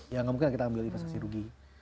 ya gak mungkin kita ambil investasi rugi